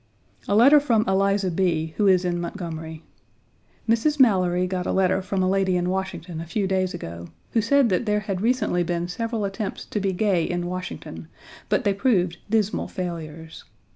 A letter from Eliza B., who is in Montgomery: "Mrs. Mallory got a letter from a lady in Washington a few days ago, who said that there had recently been several attempts to be gay in Washington, but they proved dismal failures.